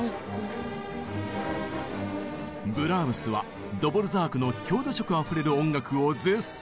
ブラームスはドボルザークの郷土色あふれる音楽を絶賛！